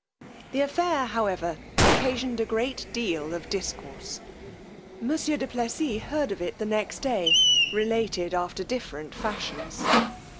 The affair, however, occasioned a great deal of discourse: monsieur du Plessis heard of it the next day related after different fashions.